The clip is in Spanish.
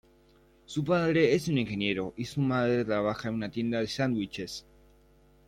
Su padre es un Ingeniero, y su madre trabaja en una tienda de sándwiches.